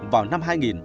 vào năm hai nghìn